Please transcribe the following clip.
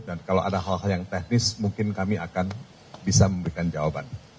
dan kalau ada hal hal yang teknis mungkin kami akan bisa memberikan jawaban